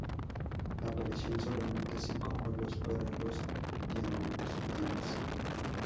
Apareció en solamente cinco juegos para los Diamondbacks.